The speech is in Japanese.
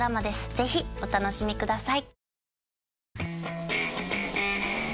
ぜひお楽しみください